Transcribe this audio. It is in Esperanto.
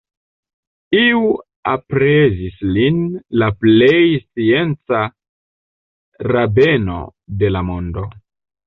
Iu aprezis lin la plej scienca rabeno de la mondo.